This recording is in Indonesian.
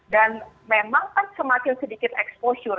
dan memang kan semakin sedikit exposure